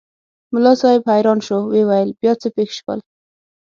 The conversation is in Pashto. ملا صاحب حیران شو وویل بیا څه پېښ شول؟